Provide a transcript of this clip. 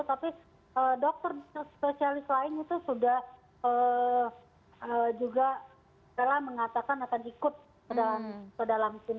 tapi dokter spesialis lain itu sudah juga telah mengatakan akan ikut ke dalam tim